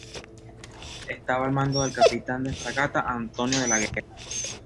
Estaba al mando del capitán de fragata Antonio de la Guerra.